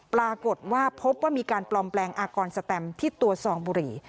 ปรากฏว่าพบว่ามีการปลอมแปลงอากรสแตมที่ตัวซองบุหรี่